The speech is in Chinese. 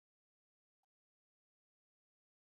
他决定以医疗勤务的名义计画前往台湾。